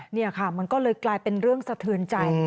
นี่ค่ะมันก็เลยกลายเป็นเรื่องสะเทือนใจ